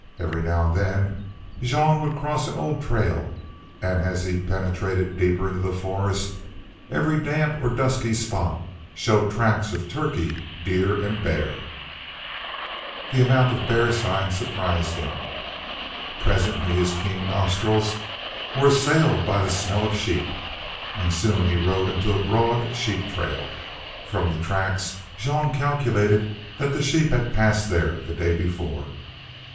Every now and then Jean would cross an old trail, and as he penetrated deeper into the forest every damp or dusty spot showed tracks of turkey, deer, and bear. The amount of bear sign surprised him. Presently his keen nostrils were assailed by a smell of sheep, and soon he rode into a broad sheep, trail. From the tracks Jean calculated that the sheep had passed there the day before.